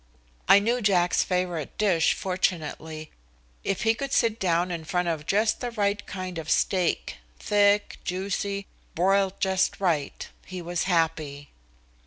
I knew Jack's favorite dish, fortunately. If he could sit down in front of just the right kind of steak, thick, juicy, broiled just right, he was happy.